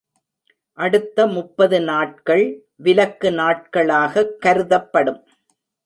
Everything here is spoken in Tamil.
அடுத்த முப்பது நாட்கள் விலக்கு நாட்களாகக் கருதப்படும்.